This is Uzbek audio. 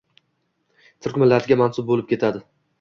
Turk millatiga mansub boʻlib ketadi.